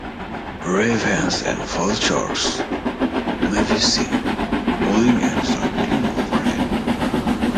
Ravens and vultures may be seen calling and circling overhead.